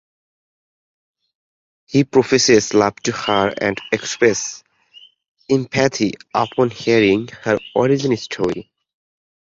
He professes love to her and expresses empathy upon hearing her origin story.